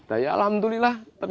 tidak ada yang mencari sampah